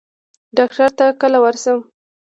ډاکټر ته کله ورشو؟